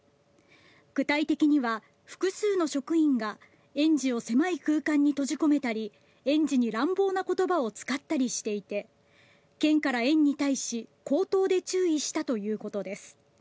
具体的には複数の職員が園児を狭い空間に閉じ込めたり園児に乱暴な言葉を使ったりしていて県から園に対し口頭で注意したということです。